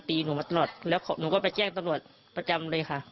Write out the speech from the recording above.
หนูมาตลอดแล้วหนูก็ไปแจ้งตำรวจประจำเลยค่ะ